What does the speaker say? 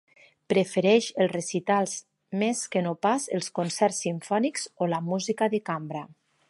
Prefereix els recitals més que no pas els concerts simfònics o la música de cambra.